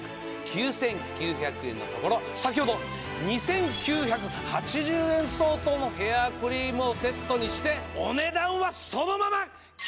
のところ先ほど２９８０円相当のヘアクリームをセットにしてお値段はそのまま！